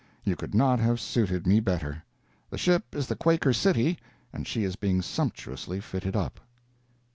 You could not have suited me better. The ship is the Quaker City, and she is being sumptuously fitted up.